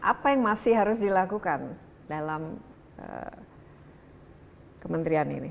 apa yang masih harus dilakukan dalam kementerian ini